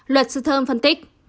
luật sư thơm phân tích